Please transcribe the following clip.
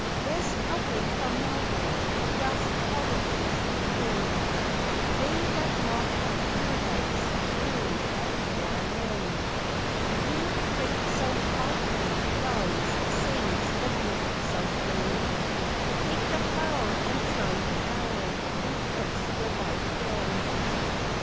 West away from Melbourne dust holidays begin They that mock at Paradise woo at Cora Lynn Through the great South Otway gums sings the great South Main Take the flower and turn the hour, and kiss your love again!